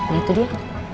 ya itu dia